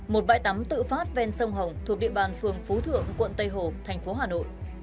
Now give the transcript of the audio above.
một bãi tắm tự phát ven sông hồng thuộc địa bàn phường phú thượng quận tây hồ thành phố hà nội